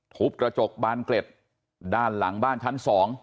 ทุบกระจกบานเกล็ดด้านหลังบ้านชั้น๒